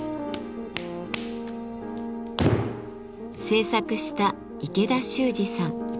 制作した池田脩二さん。